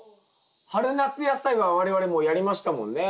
春夏野菜は我々もうやりましたもんね。